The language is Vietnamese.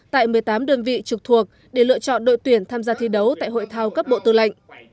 tại một mươi tám đơn vị trực thuộc để lựa chọn đội tuyển tham gia thi đấu tại hội thao cấp bộ tư lệnh